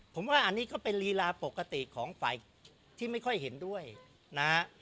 ผมว่าอันนี้ก็เป็นลีลาปกติของฝ่ายที่ไม่ค่อยเห็นด้วยนะฮะ